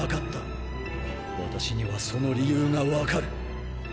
私にはその理由がわかる。